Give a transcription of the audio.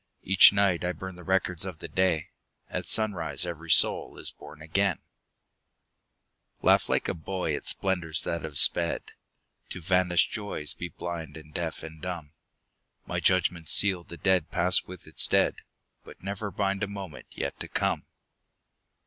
Each night I burn the records of the day, — At sunrise every soul is born again ! Laugh like a boy at splendors that have sped, To vanished joys be blind and deaf and dumb; My judgments seal the dead past with its dead, But never bind a moment yet to come.